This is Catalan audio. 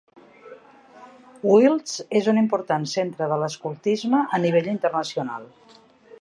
Wiltz és un important centre de l'Escoltisme a nivell internacional.